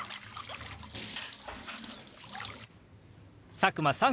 佐久間さん